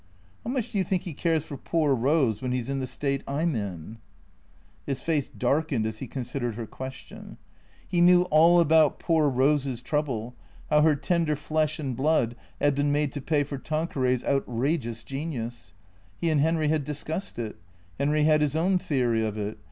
" How much do you think he cares for poor Eose when he 's in the state I 'm in ?" His face darkened as he considered her question. He knew all about poor Eose's trouble, how her tender flesh and blood had been made to pay for Tanqueray's outrageous genius. He and Henry had discussed it. Henry had his own theory of it.